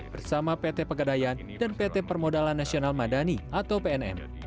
bersama pt pegadayan dan pt permodalan nasional madani atau pnm